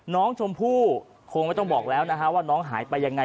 น้องชมพู่คงไม่ต้องบอกแล้วนะฮะว่าน้องหายไปยังไง